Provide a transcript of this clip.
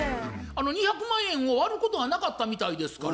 ２００万円を割ることはなかったみたいですから。